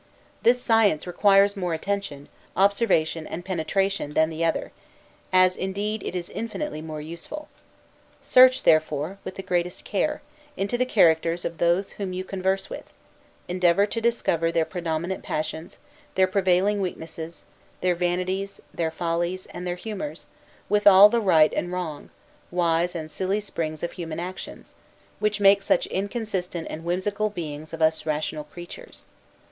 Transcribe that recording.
This science requires more attention, observation, and penetration, than the other; as indeed it is infinitely more useful. Search, therefore, with the greatest care, into the characters of those whom you converse with; endeavor to discover their predominant passions, their prevailing weaknesses, their vanities, their follies, and their humors, with all the right and wrong, wise and silly springs of human actions, which make such inconsistent and whimsical beings of us rational creatures.